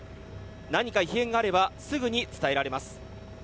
何か異変があればすぐに伝えられます。